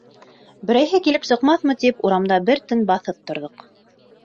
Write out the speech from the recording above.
Берәйһе килеп сыҡмаҫмы тип, урамда бер тын баҫып торҙоҡ.